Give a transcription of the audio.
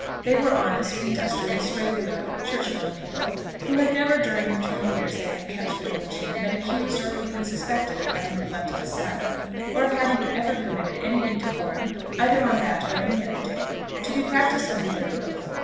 They were honest, industrious, regular church going people, who had never, during the twenty years they had kept the village inn, been accused or even suspected of having neglected a Sabbath, or of having ever permitted any indecorum either on that or any other day, to be practised under their roof.